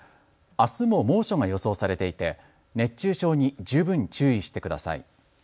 あすも猛暑が予想されていて熱中症に十分注意してください。